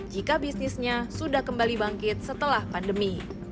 jika bisnisnya sudah kembali bangkit setelah pandemi